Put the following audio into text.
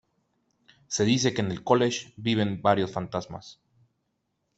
Se dice que en el college viven varios fantasmas.